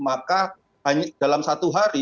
maka dalam satu hari